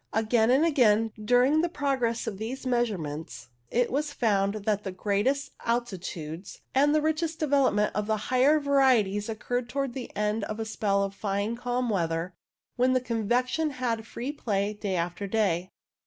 Again and again, during the progress of these measurements, it was found that the greatest alti tudes and the richest development of the higher varieties occurred towards the end of a spell of fine calm weather, when convection had had free play day after day.